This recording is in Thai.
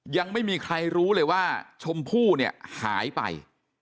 ยังไม่มีใครรู้เลยว่าชมพู่เนี่ยหายไป